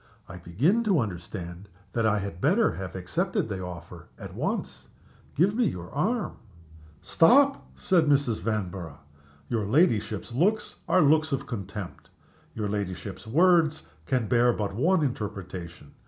I begin to understand that I had better have accepted the offer at once. Give me your arm." "Stop!" said Mrs. Vanborough, "your ladyship's looks are looks of contempt; your ladyship's words can bear but one interpretation.